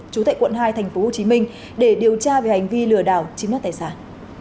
chủ tệ quận hai tp hcm để điều tra về hành vi lừa đảo chiếm đoạt tài sản